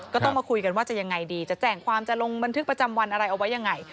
ก็ต้องมาคุยกันว่าจะยังไงดีจะแจ้งความจะลงบันทึกประจำวันอะไรเอาไว้ยังไง